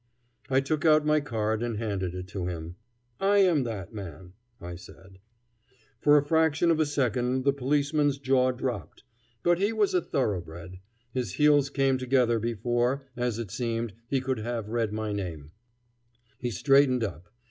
I took out my card and handed it to him. "I am that man," I said. For a fraction of a second the policeman's jaw dropped; but he was a thoroughbred. His heels came together before, as it seemed, he could have read my name; he straightened up.